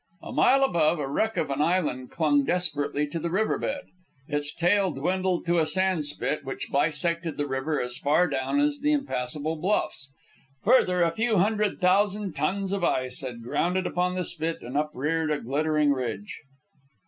A mile above, a wreck of an island clung desperately to the river bed. Its tail dwindled to a sand spit which bisected the river as far down as the impassable bluffs. Further, a few hundred thousand tons of ice had grounded upon the spit and upreared a glittering ridge.